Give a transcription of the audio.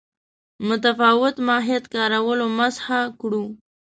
متفاوت ماهیت کارولو مسخه کړو.